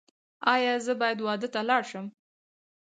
ایا زه باید واده ته لاړ شم؟